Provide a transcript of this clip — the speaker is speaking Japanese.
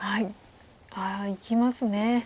ああいきますね。